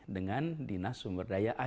dengan dinas sumberdaya